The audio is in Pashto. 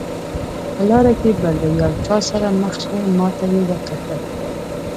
په لاره کې به له یو چا سره مخ شئ، ما ته یې وکتل.